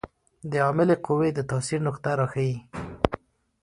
د عاملې قوې د تاثیر نقطه راښيي.